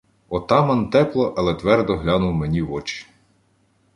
Отаман тепло, але твердо глянув мені в очі.